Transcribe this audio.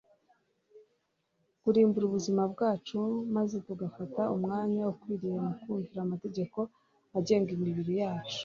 kurimbura ubuzima bwacu, maze tugafata umwanya ukwiriye wo kumvira amategeko agenga imibiri yacu